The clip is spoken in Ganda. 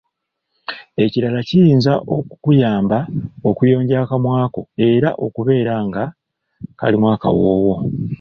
Ekirala kiyinza okukuyamba okuyonja akamwa ko era okubeera nga kalimu akawoowo